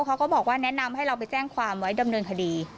เขาก็บอกว่าแนะนำให้เราไปแจ้งความไว้ดำเนินคดี